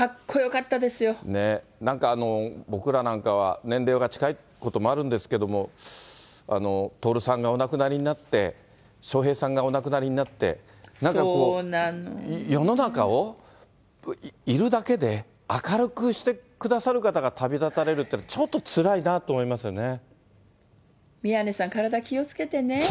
なんか、僕らなんかは年齢が近いこともあるんですけど、徹さんがお亡くなりになって、笑瓶さんがお亡くなりになって、なんかこう、世の中をいるだけで明るくしてくださる方が旅立たれるっていうのは、宮根さん、体気をつけてね。